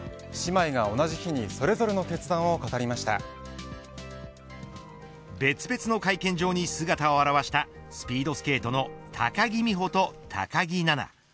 姉妹が同じ日にそれぞれの別々の会見場に姿を現したスピードスケートの高木美帆と高木菜那。